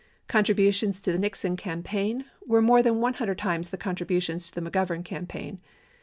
Contributions to the Nixon campaign were more than 100 times the contributions to the McGovern campaign.